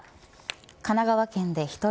神奈川県で１人